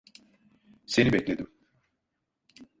Seni bekledim.